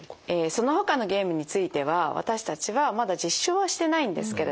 そのほかのゲームについては私たちはまだ実証はしてないんですけれども